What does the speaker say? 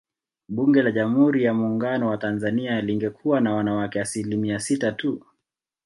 Bunge la Jamhuri ya Muungano wa Tanzania lingekuwa na wanawake asilimia sita tu